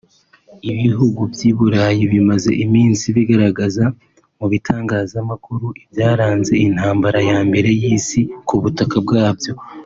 Ibihugu by’i Burayi bimaze iminsi bigaragaza mu bitangazamakuru ibyaranze Intambara ya Mbere y’Isi ku butaka bwabyo